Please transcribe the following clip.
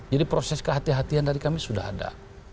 jadi proses kehatian hatian dari kami sudah ada